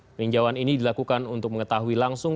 peninjauan ini dilakukan untuk mengetahui langsung